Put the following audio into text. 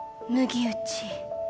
麦打ち。